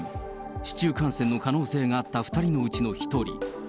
市中感染の可能性があった２人のうちの１人。